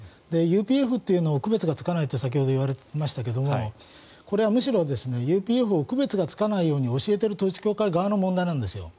ＵＰＦというのと区別がつかないと先ほど言われましたがこれはむしろＵＰＦを区別がつかないように教えている統一教会側の問題なんですよ。